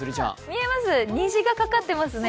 見えます、虹がかかってますね。